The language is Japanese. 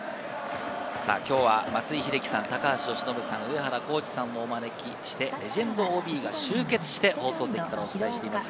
今日は松井秀喜さん、高橋由伸さん、上原浩治さんを招いてレジェンドＯＢが集結して、放送席からお伝えしています。